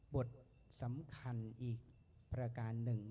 บทสำคัญอีกประการหนึ่ง